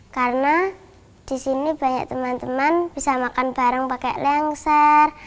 karena di sini banyak teman teman bisa makan bareng pakai lengsar